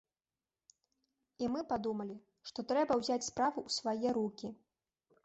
І мы падумалі, што трэба ўзяць справу ў свае рукі.